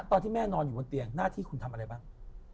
ตอนที่แม่นอนอยู่บนเตียงหน้าที่คุณทำอะไรบ้าง